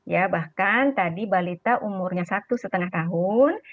ya bahkan tadi balita umurnya satu setengah tahun